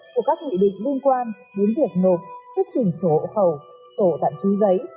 của các nghị định liên quan đến việc nộp xuất trình số hộ khẩu sổ tạm chú giấy